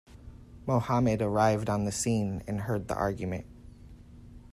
Muhammad arrived on the scene and heard the argument.